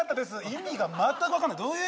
意味が全く分からない